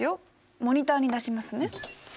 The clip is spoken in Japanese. モニターに出しますね。